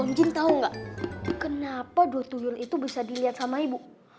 om jin tau gak kenapa dua tuyul itu bisa dilihat sama ibu